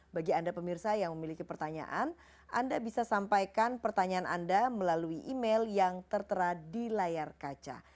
bagi anda pemirsa yang memiliki pertanyaan anda bisa sampaikan pertanyaan anda melalui email yang tertera di layar kaca